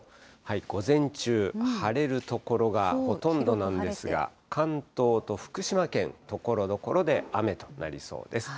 午前中、晴れる所がほとんどなんですが、関東と福島県、ところどころで雨となりそうです。